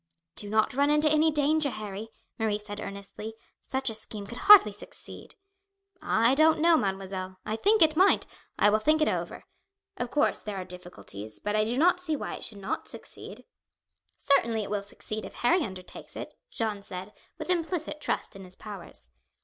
"Do not run into any danger, Harry," Marie said earnestly. "Such a scheme could hardly succeed." "I don't know, mademoiselle. I think it might. I will think it over. Of course there are difficulties, but I do not see why it should not succeed." "Certainly it will succeed if Harry undertakes it," Jeanne said, with implicit trust in his powers.